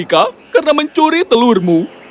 kami akan menemukan telurmu